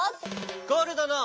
ゴールドの。